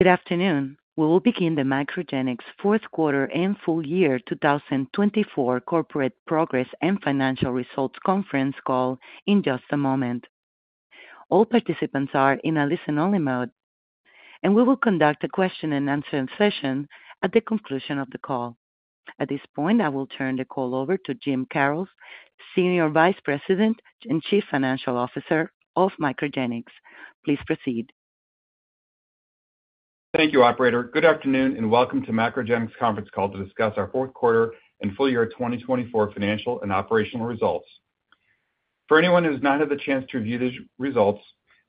Good afternoon. We will begin the MacroGenics Fourth Quarter and Full Year 2024 Corporate Progress and Financial Results Conference Call in just a moment. All participants are in a listen-only mode, and we will conduct a question-and-answer session at the conclusion of the call. At this point, I will turn the call over to Jim Karrels, Senior Vice President and Chief Financial Officer of MacroGenics. Please proceed. Thank you, Operator. Good afternoon and welcome to MacroGenics' conference call to discuss our fourth quarter and full year 2024 financial and operational results. For anyone who has not had the chance to review the results,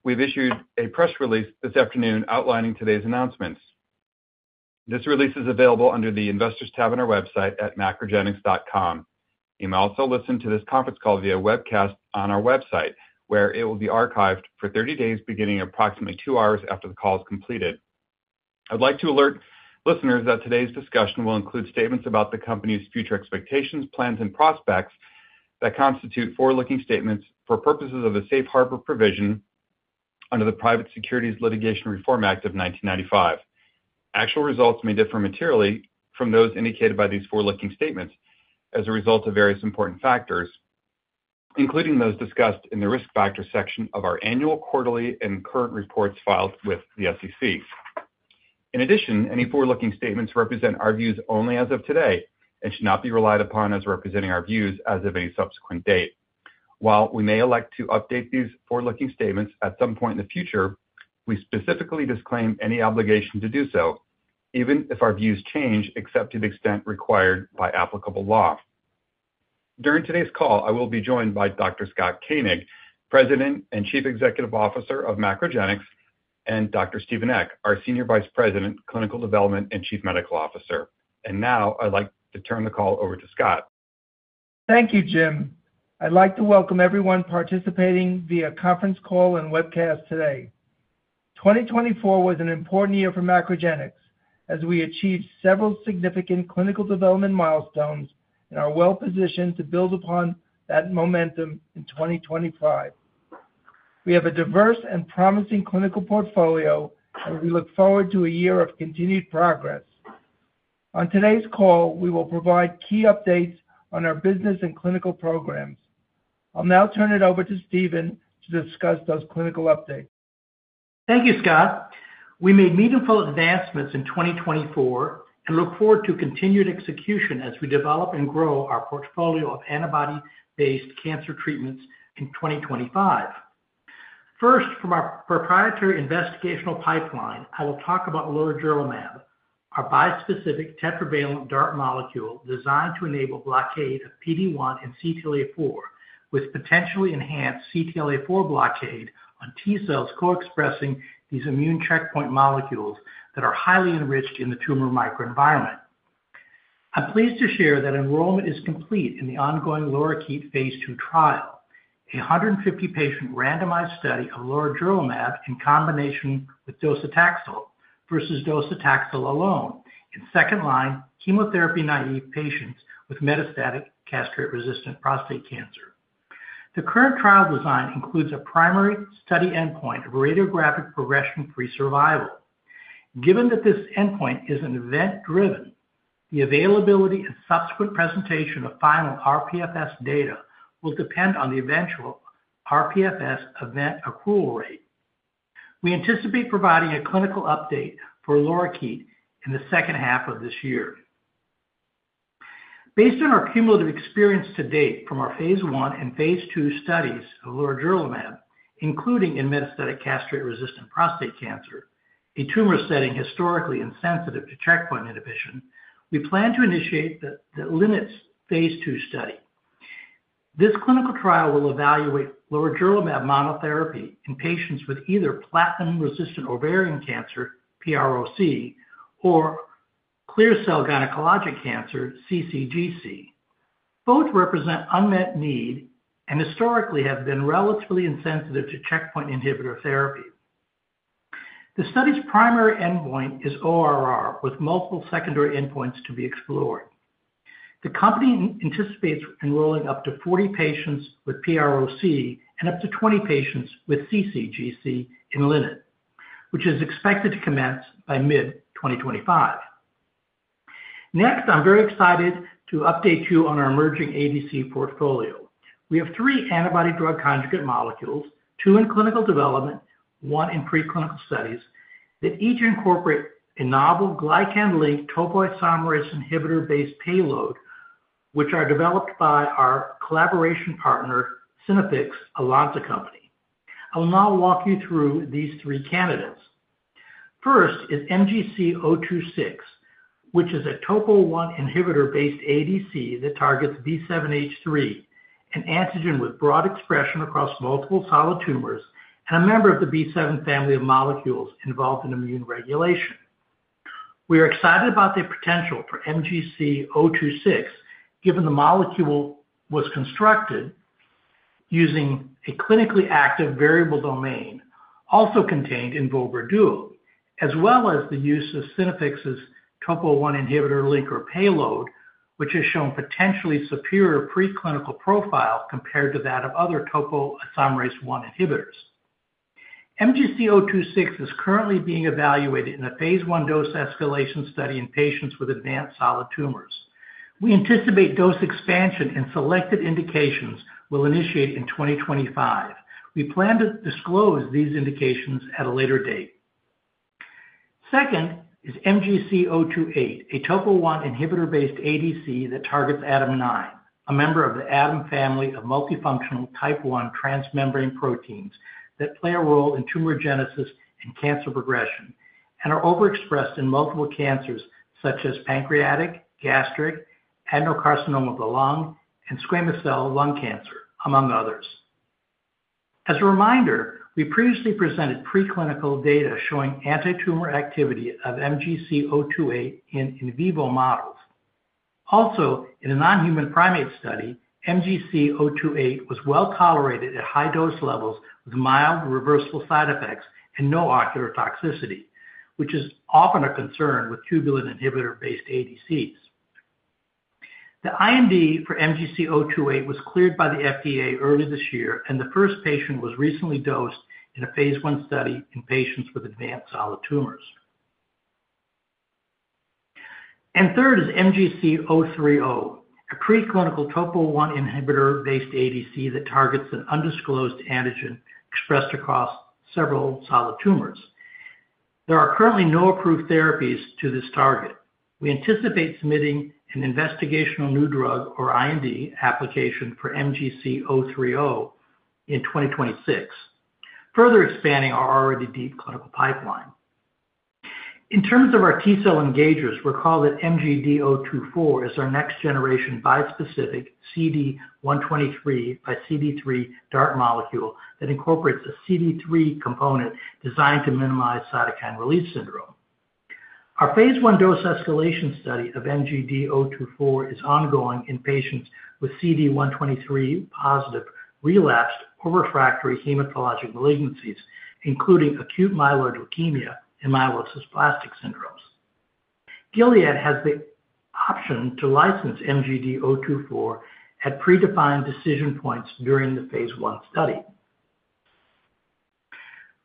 we have issued a press release this afternoon outlining today's announcements. This release is available under the Investors tab on our website at macrogenics.com. You may also listen to this conference call via webcast on our website, where it will be archived for 30 days beginning approximately two hours after the call is completed. I'd like to alert listeners that today's discussion will include statements about the company's future expectations, plans, and prospects that constitute forward-looking statements for purposes of the Safe Harbor Provision under the Private Securities Litigation Reform Act of 1995. Actual results may differ materially from those indicated by these forward-looking statements as a result of various important factors, including those discussed in the risk factor section of our annual, quarterly, and current reports filed with the SEC. In addition, any forward-looking statements represent our views only as of today and should not be relied upon as representing our views as of any subsequent date. While we may elect to update these forward-looking statements at some point in the future, we specifically disclaim any obligation to do so, even if our views change, except to the extent required by applicable law. During today's call, I will be joined by Dr. Scott Koenig, President and Chief Executive Officer of MacroGenics, and Dr. Stephen Eck, our Senior Vice President, Clinical Development, and Chief Medical Officer. I would like to turn the call over to Scott. Thank you, Jim. I'd like to welcome everyone participating via conference call and webcast today. 2024 was an important year for MacroGenics as we achieved several significant clinical development milestones and are well positioned to build upon that momentum in 2025. We have a diverse and promising clinical portfolio, and we look forward to a year of continued progress. On today's call, we will provide key updates on our business and clinical programs. I'll now turn it over to Stephen to discuss those clinical updates. Thank you, Scott. We made meaningful advancements in 2024 and look forward to continued execution as we develop and grow our portfolio of antibody-based cancer treatments in 2025. First, from our proprietary investigational pipeline, I will talk about lorigerlimab, our bispecific tetravalent DART molecule designed to enable blockade of PD-1 and CTLA-4, with potentially enhanced CTLA-4 blockade on T cells co-expressing these immune checkpoint molecules that are highly enriched in the tumor microenvironment. I'm pleased to share that enrollment is complete in the ongoing LORIKEET phase II trial, a 150-patient randomized study of lorigerlimab in combination with docetaxel versus docetaxel alone, in second-line chemotherapy naive patients with metastatic castration-resistant prostate cancer. The current trial design includes a primary study endpoint of radiographic progression-free survival. Given that this endpoint is event-driven, the availability and subsequent presentation of final RPFS data will depend on the eventual RPFS event accrual rate. We anticipate providing a clinical update for LORIKEET in the H2 of this year. Based on our cumulative experience to date from our phase I and phase II studies of lorigerlimab, including in metastatic castration-resistant prostate cancer, a tumor setting historically insensitive to checkpoint inhibition, we plan to initiate the LINNET phase II study. This clinical trial will evaluate lorigerlimab monotherapy in patients with either platinum-resistant ovarian cancer, PROC, or clear cell gynecologic cancer, CCGC. Both represent unmet need and historically have been relatively insensitive to checkpoint inhibitor therapy. The study's primary endpoint is ORR, with multiple secondary endpoints to be explored. The company anticipates enrolling up to 40 patients with PROC and up to 20 patients with CCGC in LINNET, which is expected to commence by mid-2025. Next, I'm very excited to update you on our emerging ADC portfolio. We have three antibody-drug conjugate molecules, two in clinical development, one in preclinical studies, that each incorporate a novel glycan-linked topoisomerase inhibitor-based payload, which are developed by our collaboration partner, Synaffix, a Lonza company. I will now walk you through these three candidates. First is MGC026, which is a topo-1 inhibitor-based ADC that targets B7-H3, an antigen with broad expression across multiple solid tumors and a member of the B7 family of molecules involved in immune regulation. We are excited about the potential for MGC026, given the molecule was constructed using a clinically active variable domain, also contained in vobra duo, as well as the use of Synaffix topo-1 inhibitor-linked payload, which has shown potentially superior preclinical profile compared to that of other topoisomerase-1 inhibitors. MGC026 is currently being evaluated in a phase I dose escalation study in patients with advanced solid tumors. We anticipate dose expansion in selected indications we'll initiate in 2025. We plan to disclose these indications at a later date. Second is MGC028, a topo-1 inhibitor-based ADC that targets ADAM9, a member of the ADAM family of multifunctional type I transmembrane proteins that play a role in tumor genesis and cancer progression and are overexpressed in multiple cancers such as pancreatic, gastric, adenocarcinoma of the lung, and squamous cell lung cancer, among others. As a reminder, we previously presented preclinical data showing anti-tumor activity of MGC028 in in vivo models. Also, in a non-human primate study, MGC028 was well tolerated at high dose levels with mild reversible side effects and no ocular toxicity, which is often a concern with tubulin-inhibitor-based ADCs. The IND for MGC028 was cleared by the FDA early this year, and the first patient was recently dosed in a phase I study in patients with advanced solid tumors. Third is MGC030, a preclinical topo-1 inhibitor-based ADC that targets an undisclosed antigen expressed across several solid tumors. There are currently no approved therapies to this target. We anticipate submitting an investigational new drug or IND application for MGC030 in 2026, further expanding our already deep clinical pipeline. In terms of our T cell engagers, recall that MGD024 is our next-generation bispecific CD123 by CD3 DART molecule that incorporates a CD3 component designed to minimize cytokine release syndrome. Our phase I dose escalation study of MGD024 is ongoing in patients with CD123 positive relapsed or refractory hematologic malignancies, including acute myeloid leukemia and myelodysplastic syndromes. Gilead has the option to license MGD024 at predefined decision points during the phase I study.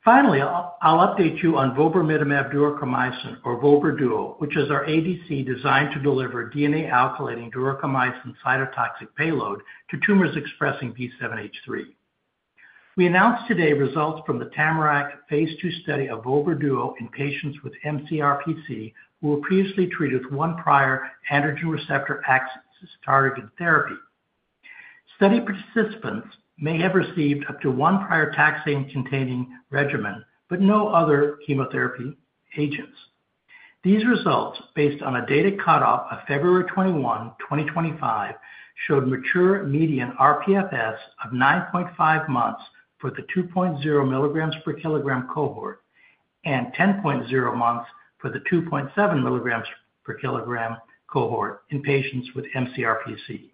Finally, I'll update you on vobramitamab duocarmazine, or vobra duo, which is our ADC designed to deliver DNA-alkylating duocarmycin cytotoxic payload to tumors expressing B7-H3. We announced today results from the TAMARACK phase II study of vobra duo in patients with mCRPC who were previously treated with one prior antigen receptor axis targeted therapy. Study participants may have received up to one prior taxane-containing regimen, but no other chemotherapy agents. These results, based on a data cutoff of February 21, 2025, showed mature median RPFS of 9.5 months for the 2.0 mg per kg cohort and 10.0 months for the 2.7 mg per kg cohort in patients with mCRPC.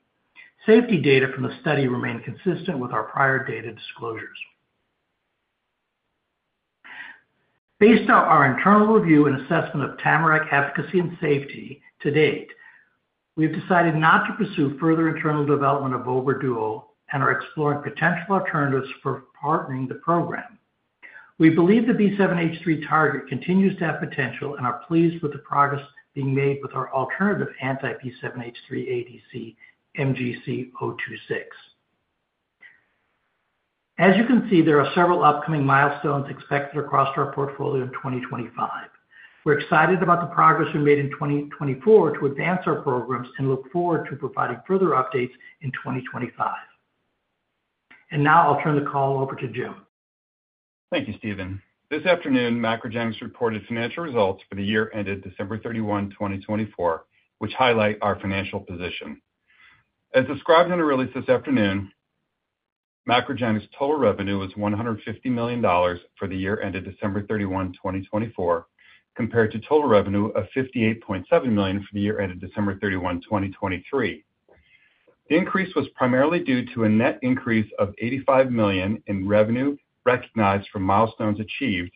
Safety data from the study remain consistent with our prior data disclosures. Based on our internal review and assessment of TAMARACK efficacy and safety to date, we've decided not to pursue further internal development of vobra duo and are exploring potential alternatives for partnering the program. We believe the B7-H3 target continues to have potential and are pleased with the progress being made with our alternative anti-B7-H3 ADC, MGC026. As you can see, there are several upcoming milestones expected across our portfolio in 2025. We're excited about the progress we made in 2024 to advance our programs and look forward to providing further updates in 2025. I will now turn the call over to Jim. Thank you, Stephen. This afternoon, MacroGenics reported financial results for the year ended December 31, 2024, which highlight our financial position. As described in the release this afternoon, MacroGenics' total revenue was $150 million for the year ended December 31, 2024, compared to total revenue of $58.7 million for the year ended December 31, 2023. The increase was primarily due to a net increase of $85 million in revenue recognized from milestones achieved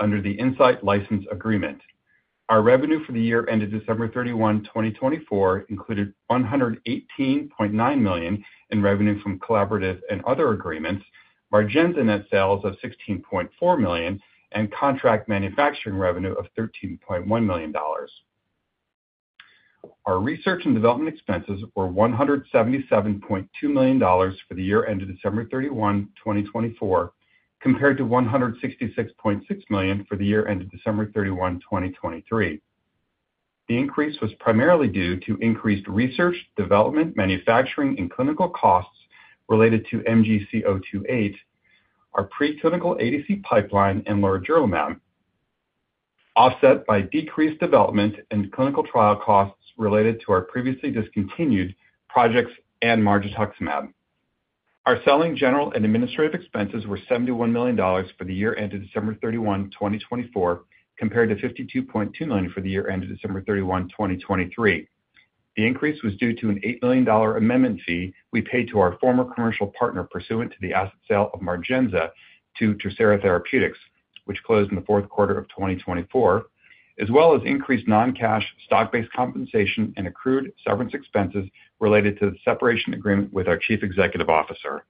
under the Incyte license agreement. Our revenue for the year ended December 31, 2024, included $118.9 million in revenue from collaborative and other agreements, MARGENZA net sales of $16.4 million, and contract manufacturing revenue of $13.1 million. Our research and development expenses were $177.2 million for the year ended December 31, 2024, compared to $166.6 million for the year ended December 31, 2023. The increase was primarily due to increased research, development, manufacturing, and clinical costs related to MGC028, our preclinical ADC pipeline and lorigerlimab, offset by decreased development and clinical trial costs related to our previously discontinued projects and margetuximab. Our selling, general, and administrative expenses were $71 million for the year ended December 31, 2024, compared to $52.2 million for the year ended December 31, 2023. The increase was due to an $8 million amendment fee we paid to our former commercial partner pursuant to the asset sale of MARGENZA to TerSera Therapeutics, which closed in the fourth quarter of 2024, as well as increased non-cash stock-based compensation and accrued severance expenses related to the separation agreement with our Chief Executive Officer.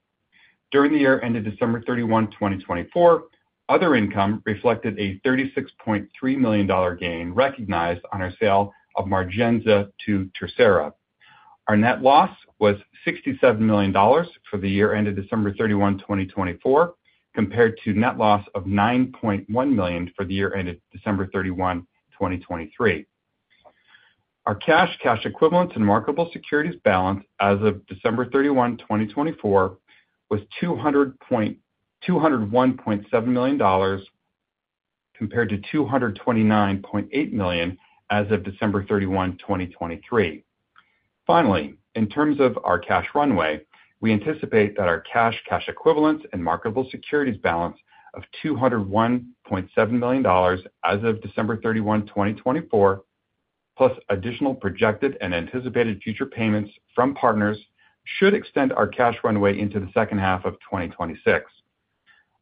During the year ended December 31, 2024, other income reflected a $36.3 million gain recognized on our sale of MARGENZA to TerSera. Our net loss was $67 million for the year ended December 31, 2024, compared to net loss of $9.1 million for the year ended December 31, 2023. Our cash, cash equivalents, and marketable securities balance as of December 31, 2024, was $201.7 million compared to $229.8 million as of December 31, 2023. Finally, in terms of our cash runway, we anticipate that our cash, cash equivalents, and marketable securities balance of $201.7 million as of December 31, 2024, plus additional projected and anticipated future payments from partners, should extend our cash runway into the H2 of 2026.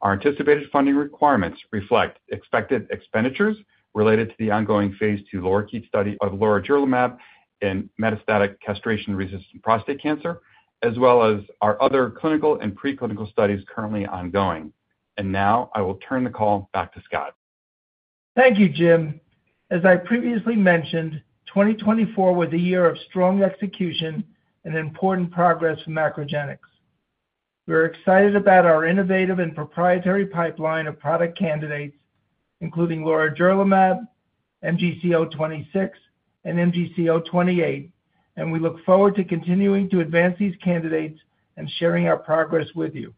Our anticipated funding requirements reflect expected expenditures related to the ongoing phase II LORIKEET study of lorigerlimab in metastatic castration-resistant prostate cancer, as well as our other clinical and preclinical studies currently ongoing. I will turn the call back to Scott. Thank you, Jim. As I previously mentioned, 2024 was a year of strong execution and important progress for MacroGenics. We're excited about our innovative and proprietary pipeline of product candidates, including lorigerlimab, MGC026, and MGC028, and we look forward to continuing to advance these candidates and sharing our progress with you.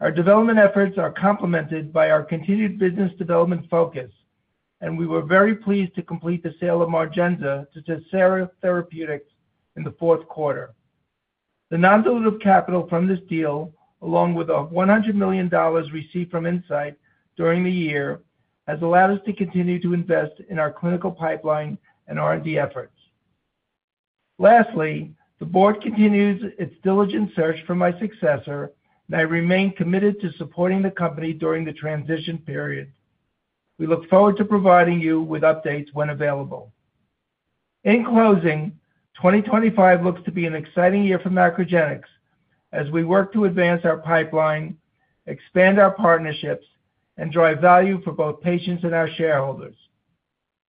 Our development efforts are complemented by our continued business development focus, and we were very pleased to complete the sale of MARGENZA to TerSera Therapeutics in the fourth quarter. The non-dilutive capital from this deal, along with the $100 million received from Incyte during the year, has allowed us to continue to invest in our clinical pipeline and R&D efforts. Lastly, the board continues its diligent search for my successor, and I remain committed to supporting the company during the transition period. We look forward to providing you with updates when available. In closing, 2025 looks to be an exciting year for MacroGenics as we work to advance our pipeline, expand our partnerships, and drive value for both patients and our shareholders.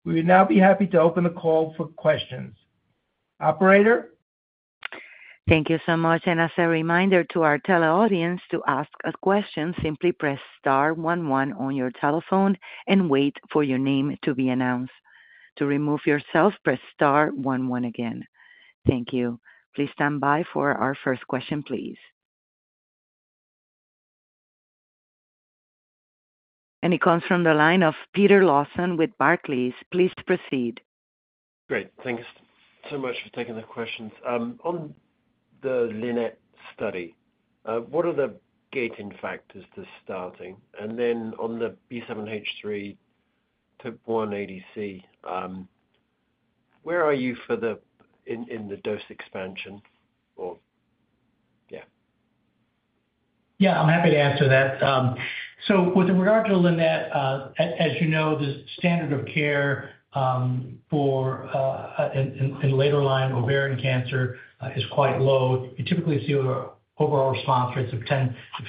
We would now be happy to open the call for questions. Operator. Thank you so much. As a reminder to our tele-audience, to ask a question, simply press star one one on your telephone and wait for your name to be announced. To remove yourself, press star one one again. Thank you. Please stand by for our first question. It comes from the line of Peter Lawson with Barclays. Please proceed. Great. Thanks so much for taking the questions. On the LINNET study, what are the gating factors to starting? On the B7-H3 topo-1 ADC, where are you in the dose expansion? Yeah. Yeah, I'm happy to answer that. With regard to LINNET, as you know, the standard of care for later line ovarian cancer is quite low. You typically see overall response rates of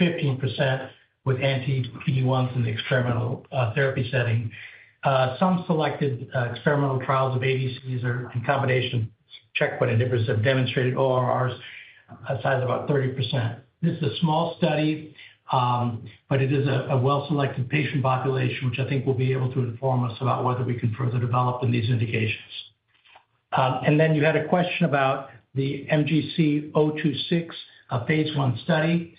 10%-15% with anti-PD-1s in the experimental therapy setting. Some selected experimental trials of ADCs or in combination checkpoint inhibitors have demonstrated ORRs as high as about 30%. This is a small study, but it is a well-selected patient population, which I think will be able to inform us about whether we can further develop in these indications. You had a question about the MGC026, a phase I study.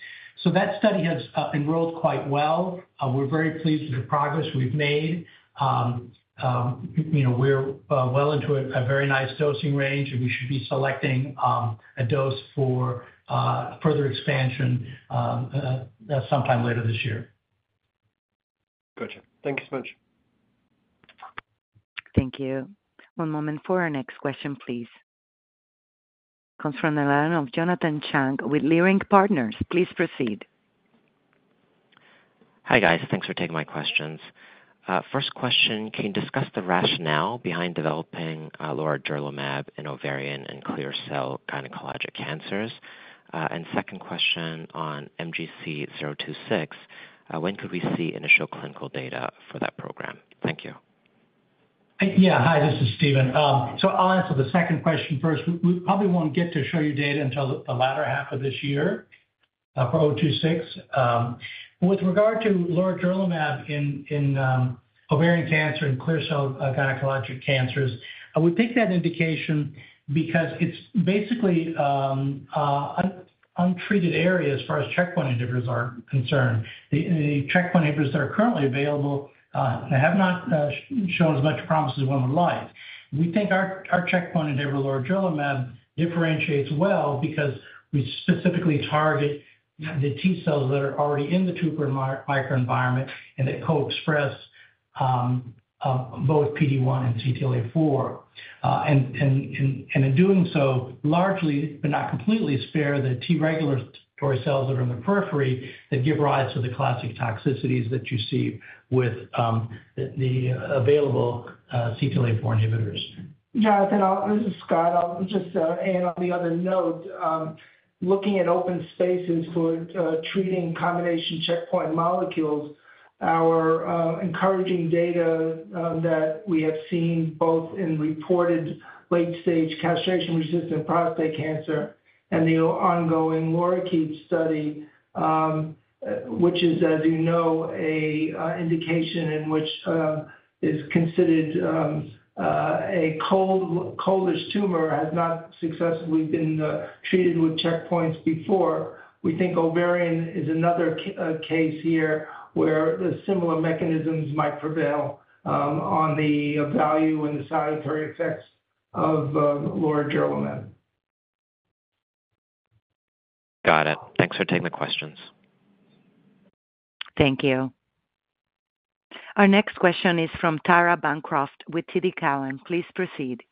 That study has enrolled quite well. We're very pleased with the progress we've made. We're well into a very nice dosing range, and we should be selecting a dose for further expansion sometime later this year. Gotcha. Thank you so much. Thank you. One moment for our next question, please. It comes from the line of Jonathan Chang with Leerink Partners. Please proceed. Hi guys. Thanks for taking my questions. First question, can you discuss the rationale behind developing lorigerlimab in ovarian and clear cell gynecologic cancers? Second question on MGC026, when could we see initial clinical data for that program? Thank you. Yeah, hi, this is Stephen. I'll answer the second question first. We probably won't get to show you data until the latter half of this year for MGC026. With regard to lorigerlimab in ovarian cancer and clear cell gynecologic cancers, I would take that indication because it's basically untreated areas as far as checkpoint inhibitors are concerned. The checkpoint inhibitors that are currently available have not shown as much promise as one would like. We think our checkpoint inhibitor, lorigerlimab, differentiates well because we specifically target the T cells that are already in the tumor microenvironment and that co-express both PD-1 and CTLA-4. In doing so, largely, but not completely, we spare the T regulatory cells that are in the periphery that give rise to the classic toxicities that you see with the available CTLA-4 inhibitors. Jonathan, this is Scott. I'll just add on the other note, looking at open spaces for treating combination checkpoint molecules, our encouraging data that we have seen both in reported late-stage castration-resistant prostate cancer and the ongoing LORIKEET study, which is, as you know, an indication in which is considered a coldish tumor, has not successfully been treated with checkpoints before. We think ovarian is another case here where similar mechanisms might prevail on the value and the salutary effects of lorigerlimab. Got it. Thanks for taking the questions. Thank you. Our next question is from Tara Bancroft with TD Cowen. Please proceed.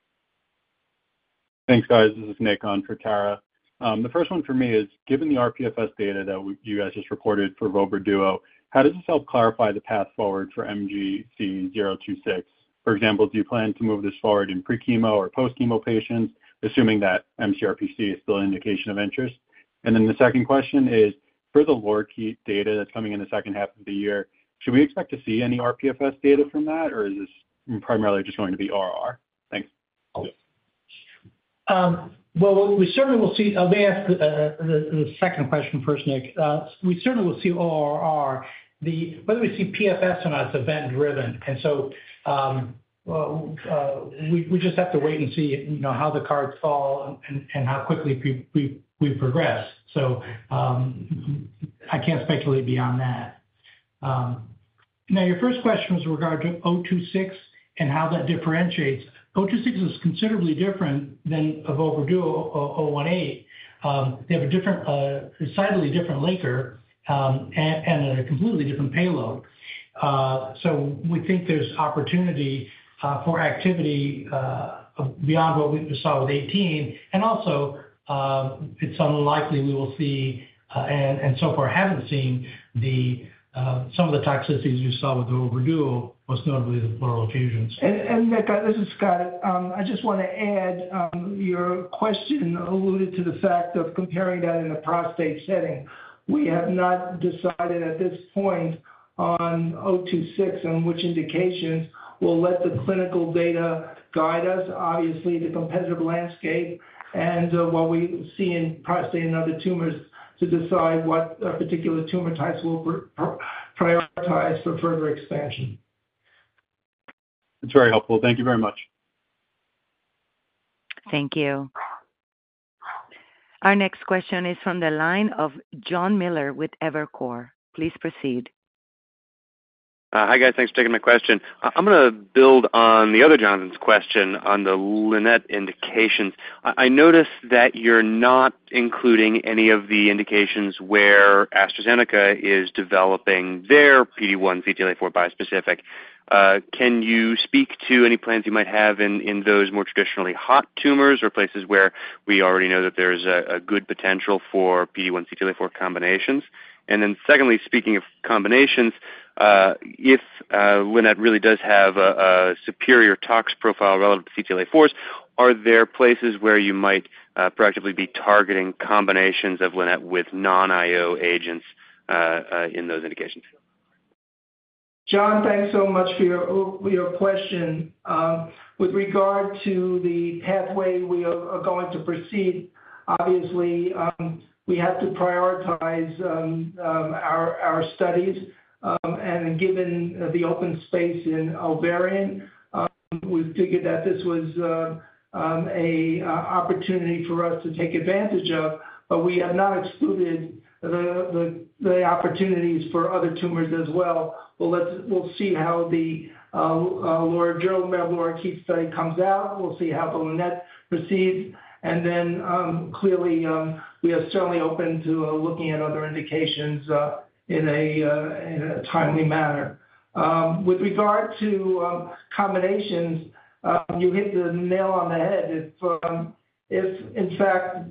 Thanks, guys. This is Nick on for Tara. The first one for me is, given the RPFS data that you guys just reported for vobra duo, how does this help clarify the path forward for MGC026? For example, do you plan to move this forward in pre-chemo or post-chemo patients, assuming that mCRPC is still an indication of interest? The second question is, for the LORIKEET data that's coming in the H2 of the year, should we expect to see any RPFS data from that, or is this primarily just going to be ORR? Thanks. We certainly will see—let me ask the second question first, Nick. We certainly will see ORR. Whether we see PFS or not, it's event-driven. We just have to wait and see how the cards fall and how quickly we progress. I can't speculate beyond that. Your first question was in regard to MGC026 and how that differentiates. MGC026 is considerably different than vobra duo 018. They have a slightly different linker and a completely different payload. We think there's opportunity for activity beyond what we saw with 18. Also, it's unlikely we will see—and so far haven't seen—some of the toxicities we saw with vobra duo, most notably the pleural effusions. Nick, this is Scott. I just want to add your question alluded to the fact of comparing that in the prostate setting. We have not decided at this point on MGC026 and which indications will let the clinical data guide us, obviously, the competitive landscape and what we see in prostate and other tumors to decide what particular tumor types we'll prioritize for further expansion. That's very helpful. Thank you very much. Thank you. Our next question is from the line of John Miller with Evercore. Please proceed. Hi guys. Thanks for taking my question. I'm going to build on the other Jonathan's question on the LINNET indications. I noticed that you're not including any of the indications where AstraZeneca is developing their PD-1, CTLA-4 bispecific. Can you speak to any plans you might have in those more traditionally hot tumors or places where we already know that there is a good potential for PD-1, CTLA-4 combinations? Secondly, speaking of combinations, if LINNET really does have a superior tox profile relative to CTLA-4s, are there places where you might proactively be targeting combinations of LINNET with non-IO agents in those indications? John, thanks so much for your question. With regard to the pathway we are going to proceed, obviously, we have to prioritize our studies. Given the open space in ovarian, we figured that this was an opportunity for us to take advantage of. We have not excluded the opportunities for other tumors as well. We will see how the lorigerlimab LORIKEET study comes out. We will see how the LINNET proceeds. Clearly, we are certainly open to looking at other indications in a timely manner. With regard to combinations, you hit the nail on the head. If, in fact,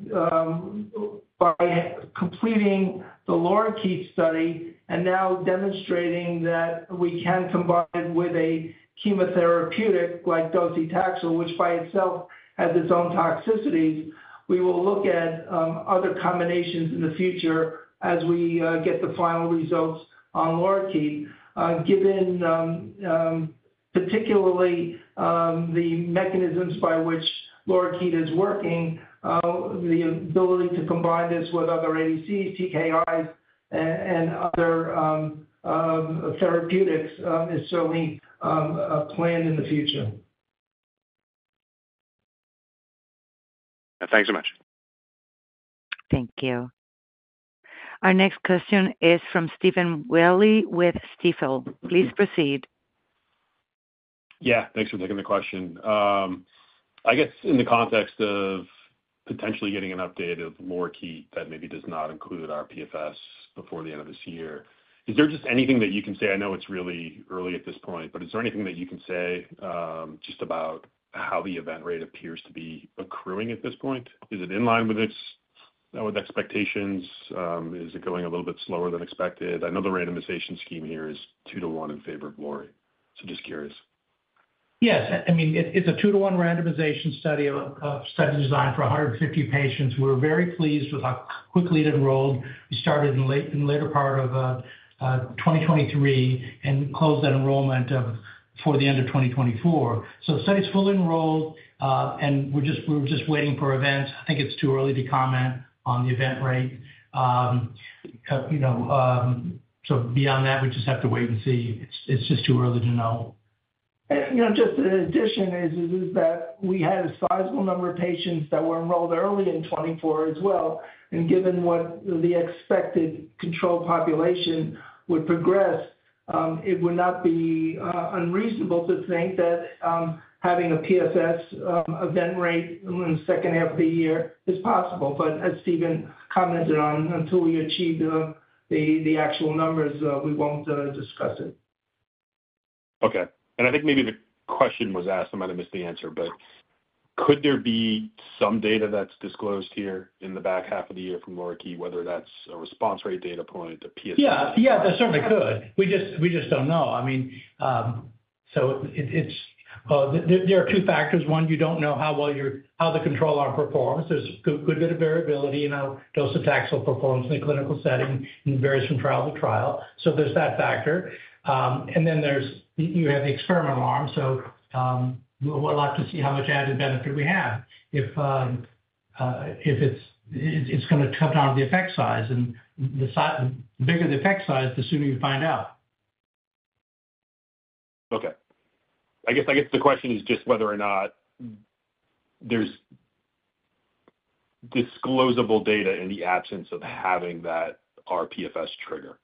by completing the LORIKEET study and now demonstrating that we can combine it with a chemotherapeutic like docetaxel, which by itself has its own toxicities, we will look at other combinations in the future as we get the final results on LORIKEET, given particularly the mechanisms by which LORIKEET is working. The ability to combine this with other ADCs, TKIs, and other therapeutics is certainly a plan in the future. Thanks so much. Thank you. Our next question is from Stephen Willey with Stifel. Please proceed. Yeah, thanks for taking the question. I guess in the context of potentially getting an update of LORIKEET that maybe does not include RPFS before the end of this year, is there just anything that you can say? I know it's really early at this point, but is there anything that you can say just about how the event rate appears to be accruing at this point? Is it in line with expectations? Is it going a little bit slower than expected? I know the randomization scheme here is two to one in favor of LORI. Just curious. Yes. I mean, it's a two to one randomization study designed for 150 patients. We were very pleased with how quickly it enrolled. We started in the later part of 2023 and closed that enrollment for the end of 2024. The study is fully enrolled, and we're just waiting for events. I think it's too early to comment on the event rate. Beyond that, we just have to wait and see. It's just too early to know. Just an addition is that we had a sizable number of patients that were enrolled early in 2024 as well. Given what the expected control population would progress, it would not be unreasonable to think that having a PFS event rate in the H2 of the year is possible. As Stephen commented on, until we achieve the actual numbers, we won't discuss it. Okay. I think maybe the question was asked. I might have missed the answer. Could there be some data that's disclosed here in the back half of the year from LORIKEET, whether that's a response rate data point, a PFS? Yeah, yeah, there certainly could. We just don't know. I mean, there are two factors. One, you don't know how well the control arm performs. There's a good bit of variability in how docetaxel performs in the clinical setting and varies from trial to trial. There's that factor. Then you have the experimental arm. We'll have to see how much added benefit we have if it's going to come down to the effect size. The bigger the effect size, the sooner you find out. Okay. I guess the question is just whether or not there's disclosable data in the absence of having that RPFS trigger.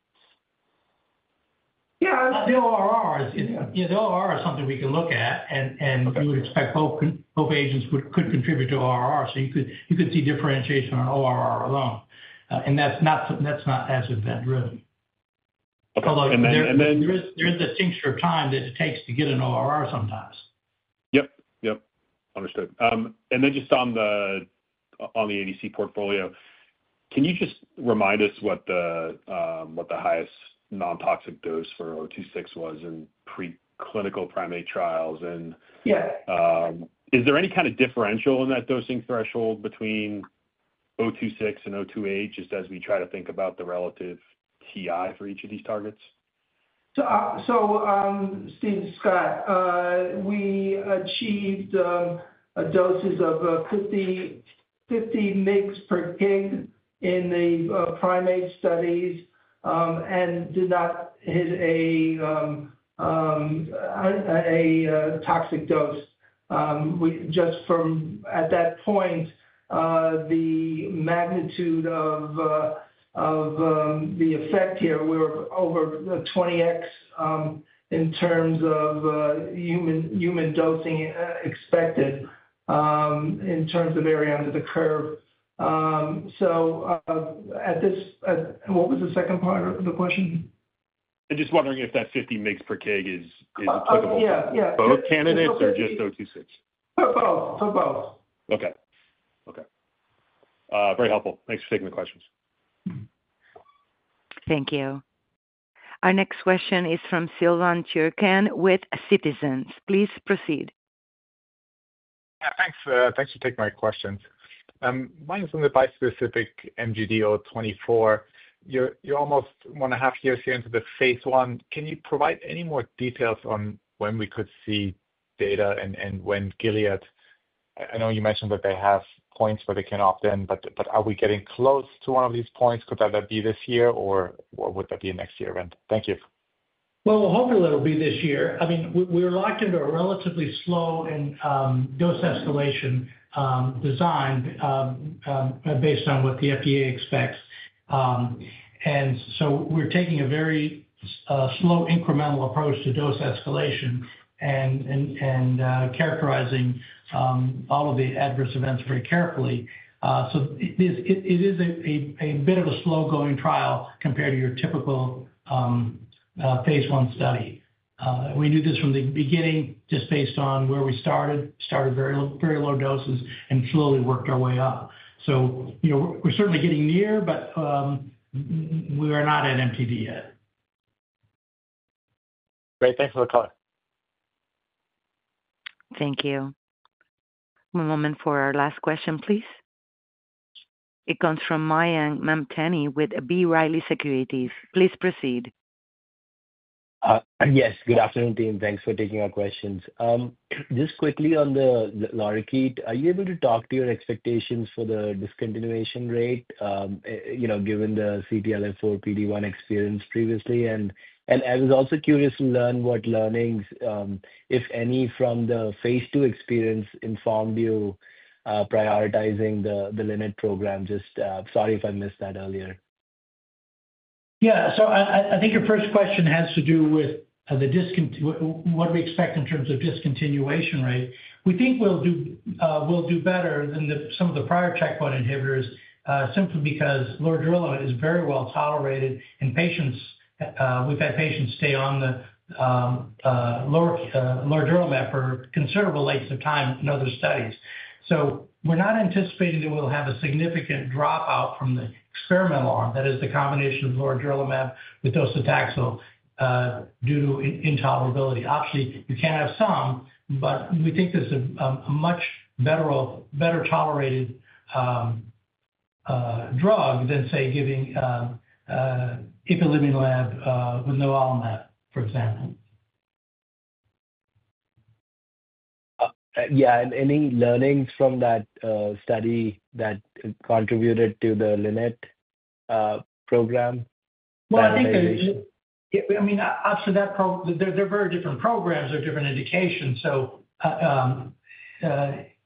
Yeah, the ORRs. The ORR is something we can look at, and you would expect both agents could contribute to ORR. You could see differentiation on ORR alone. That's not as event-driven. Okay. Then. Although there is the tincture of time that it takes to get an ORR sometimes. Yep, yep. Understood. Just on the ADC portfolio, can you just remind us what the highest non-toxic dose for 026 was in preclinical primate trials? Is there any kind of differential in that dosing threshold between 026 and 028, just as we try to think about the relative TI for each of these targets? Steve, Scott, we achieved doses of 50 mg per kg in the primate studies and did not hit a toxic dose. At that point, the magnitude of the effect here were over 20x in terms of human dosing expected in terms of area under the curve. What was the second part of the question? Just wondering if that 50 mg per kg is applicable for both candidates or just 026? For both. For both. Okay. Okay. Very helpful. Thanks for taking the questions. Thank you. Our next question is from Silvan Tuerkcan with Citizens. Please proceed. Yeah, thanks. Thanks for taking my question. Mine is on the bispecific MGD024. You're almost one and a half years here into the phase I. Can you provide any more details on when we could see data and when Gilead? I know you mentioned that they have points where they can opt in, but are we getting close to one of these points? Could that be this year, or would that be next year? Thank you. Hopefully, that'll be this year. I mean, we're locked into a relatively slow dose escalation design based on what the FDA expects. We're taking a very slow incremental approach to dose escalation and characterizing all of the adverse events very carefully. It is a bit of a slow-going trial compared to your typical phase I study. We knew this from the beginning, just based on where we started, started very low doses, and slowly worked our way up. We're certainly getting near, but we are not at MTD yet. Great. Thanks for the call. Thank you. One moment for our last question, please. It comes from Mayank Mamtani with B. Riley Securities. Please proceed. Yes. Good afternoon, team. Thanks for taking our questions. Just quickly on the LORIKEET are you able to talk to your expectations for the discontinuation rate given the CTLA-4 PD-1 experience previously? I was also curious to learn what learnings, if any, from the phase II experience informed you prioritizing the LINNET program. Sorry if I missed that earlier. Yeah. I think your first question has to do with what do we expect in terms of discontinuation rate. We think we'll do better than some of the prior checkpoint inhibitors simply because lorigerlimab is very well tolerated, and we've had patients stay on the lorigerlimab for considerable lengths of time in other studies. We're not anticipating that we'll have a significant dropout from the experimental arm, that is, the combination of lorigerlimab with docetaxel due to intolerability. Obviously, you can have some, but we think this is a much better tolerated drug than, say, giving ipilimumab with nivolumab, for example. Yeah. Any learnings from that study that contributed to the LINNET program? I think, I mean, obviously, they're very different programs. They're different indications. The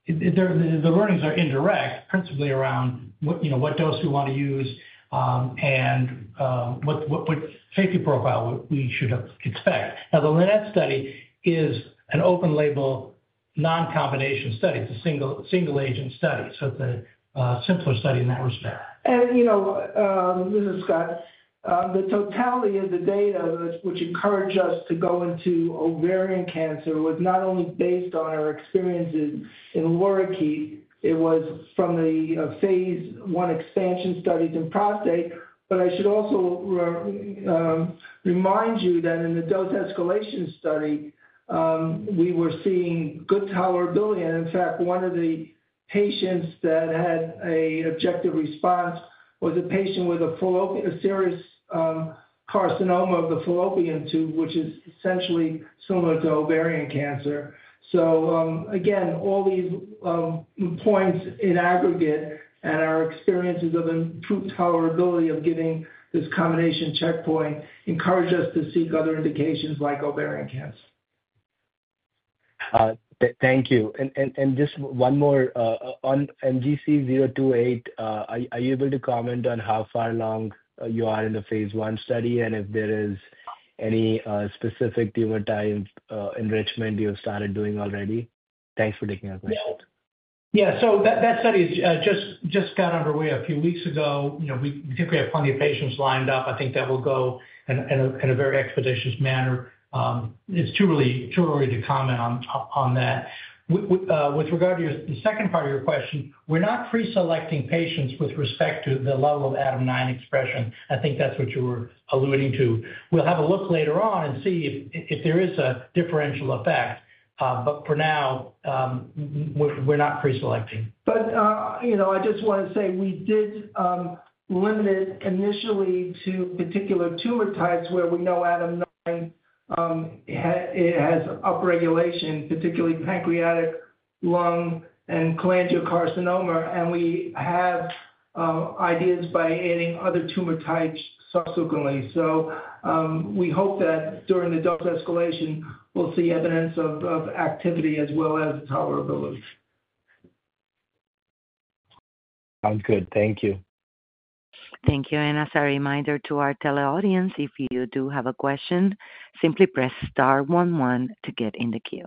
learnings are indirect, principally around what dose we want to use and what safety profile we should expect. Now, the LINNET study is an open-label non-combination study. It's a single-agent study. It's a simpler study in that respect. This is Scott. The totality of the data which encouraged us to go into ovarian cancer was not only based on our experiences in LORIKEET, it was from the phase I expansion studies in prostate. I should also remind you that in the dose escalation study, we were seeing good tolerability. In fact, one of the patients that had an objective response was a patient with a serous carcinoma of the fallopian tube, which is essentially similar to ovarian cancer. All these points in aggregate and our experiences of improved tolerability of giving this combination checkpoint encouraged us to seek other indications like ovarian cancer. Thank you. Just one more on MGC028, are you able to comment on how far along you are in the phase I study and if there is any specific tumor type enrichment you have started doing already? Thanks for taking our question. Yeah. Yeah. That study just got underway a few weeks ago. We think we have plenty of patients lined up. I think that will go in a very expeditious manner. It's too early to comment on that. With regard to the second part of your question, we're not pre-selecting patients with respect to the level of ADAM9 expression. I think that's what you were alluding to. We'll have a look later on and see if there is a differential effect. For now, we're not pre-selecting. I just want to say we did limit it initially to particular tumor types where we know ADAM9 has upregulation, particularly pancreatic, lung, and cholangiocarcinoma. We have ideas by adding other tumor types subsequently. We hope that during the dose escalation, we'll see evidence of activity as well as tolerability. Sounds good. Thank you. Thank you. As a reminder to our tele-audience, if you do have a question, simply press star one one to get in the queue.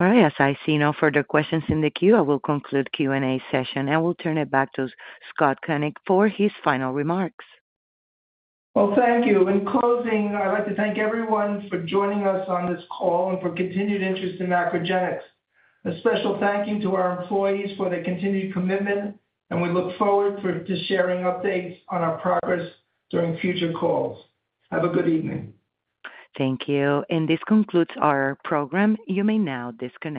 All right. As I see no further questions in the queue, I will conclude the Q&A session. I will turn it back to Scott Koenig for his final remarks. Thank you. In closing, I'd like to thank everyone for joining us on this call and for continued interest in MacroGenics. A special thank you to our employees for their continued commitment, and we look forward to sharing updates on our progress during future calls. Have a good evening. Thank you. This concludes our program. You may now disconnect.